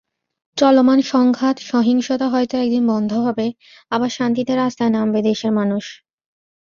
চলমান সংঘাত-সহিংসতা হয়তো একদিন বন্ধ হবে, আবার শান্তিতে রাস্তায় নামবে দেশের মানুষ।